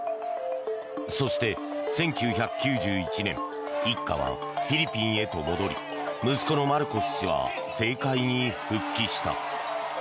そして、１９９１年一家はフィリピンへと戻り息子のマルコス氏は政界に復帰した。